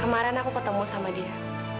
kemarin aku ketemu sama dia